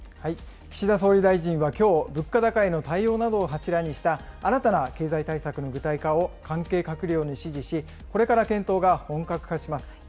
岸田総理大臣はきょう、物価高への対応などを柱にした、新たな経済対策の具体化を関係閣僚に指示し、これから検討が本格化します。